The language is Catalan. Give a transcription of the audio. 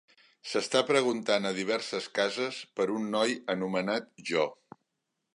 S'està preguntant a diverses cases per un noi anomenat Jo.